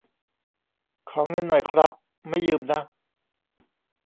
ขอเงินหน่อยครับ ไม่ยืมนะ